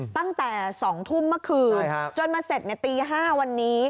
ตั้งแต่๒ทุ่มเมื่อคืนจนมาเสร็จในตี๕วันนี้